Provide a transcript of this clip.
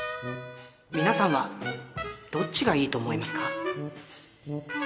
皆さんはどっちがいいと思いますか？